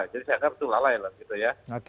jadi saya akan itu lalai lah gitu ya